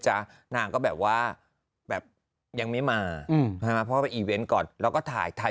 ถ้าน่ะนางก็แบบว่าแบบยังไม่มาอืมใช่ไหมนะเพราะที่วันเอครอะกดแล้วก็ถัยถัย